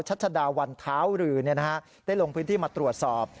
ชัชดาวันเท้ารือได้ลงพื้นที่มาตรวจสอบ